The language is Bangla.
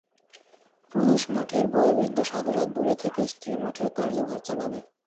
পুরুষ-মঠের বয়োবৃদ্ধ সাধুরা দূরে থেকে স্ত্রী-মঠের কার্যভার চালাবে।